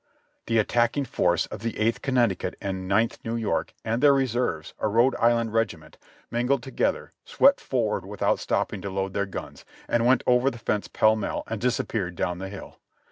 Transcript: The attacking force of the Eighth Connecticut and Ninth New York and their reserves, a Rhode Island regiment, mingled together, swept forward without stopping to load their guns, and went over the fence pell mell and disappeared down the hill.